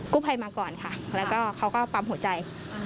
ผู้ภัยมาก่อนค่ะแล้วก็เขาก็ปั๊มหัวใจ